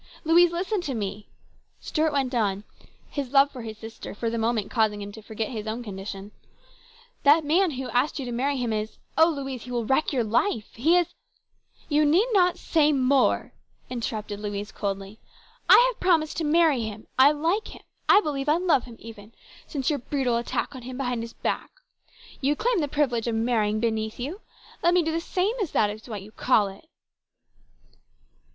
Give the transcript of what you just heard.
Louise, listen to me !" Stuart went on, his love for his sister for the moment causing him to forget his own condition. " This man who has asked you to marry him is oh, Louise, he will wreck your life ! He is "" You need not say any more," interrupted Louise coldly. " I have promised to marry him. I like him. I believe I love him even, since your brutal attack on him behind his back. You claim the privilege of marrying beneath you. Let me do the same, if that is what you call it."